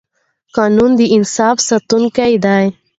قانون د انصاف ساتونکی دی